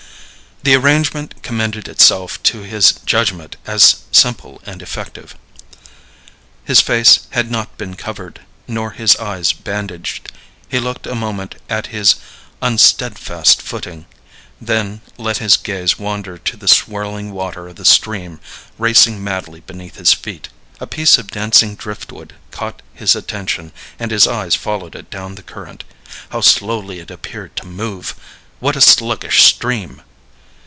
The arrangement commended itself to his judgment as simple and effective. His face had not been covered nor his eyes bandaged. He looked a moment at his "unsteadfast footing," then let his gaze wander to the swirling water of the stream racing madly beneath his feet. A piece of dancing driftwood caught his attention and his eyes followed it down the current. How slowly it appeared to move! What a sluggish stream!